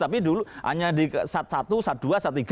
tapi dulu hanya di sat satu sat dua sat tiga